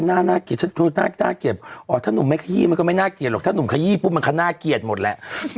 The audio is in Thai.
มีส่วนดูโซงไม่เหมือนกันเลยนะ